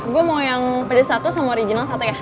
gue mau yang pedes satu sama original satu ya